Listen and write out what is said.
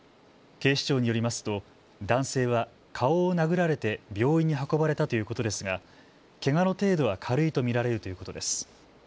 警視庁によりますと男性は顔を殴られて病院に運ばれたということですがけがの程度は軽いと見られるということです。